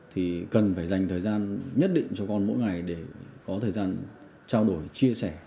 thì cần phải dành thời gian nhất định cho con mỗi ngày để có thời gian trao đổi chia sẻ